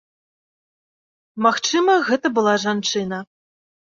Магчыма, гэта была жанчына.